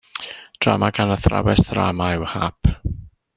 Drama gan athrawes ddrama yw Hap.